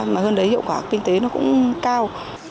mà hơn đấy hiệu quả kinh tế nó cũng cao